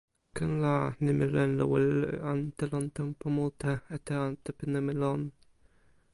kin la, nimi linluwi li ante lon tenpo mute ete ante pi nimi lon.